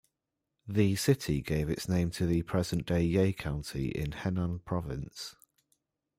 The city gave its name to the present-day Ye County in Henan Province.